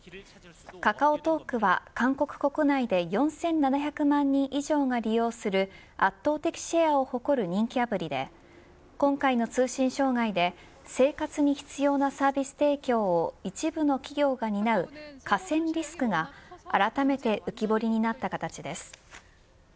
カカオトークは韓国国内で４７００万人以上が利用する圧倒的シェアを誇る人気アプリで今回の通信障害で生活に必要なサービス提供を一部の企業が担う寡占リスクがあらためて浮き彫りになった形です。